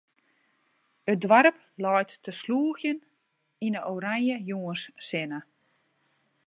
It doarp leit te slûgjen yn 'e oranje jûnssinne.